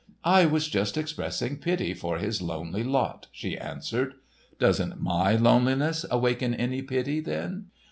"I was just expressing pity for his lonely lot," she answered. "Doesn't my loneliness awaken any pity, then?"